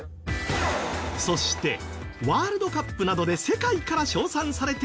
そしてワールドカップなどで世界から称賛されている